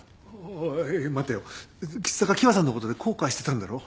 おい待てよ橘高喜和さんのことで後悔してたんだろ？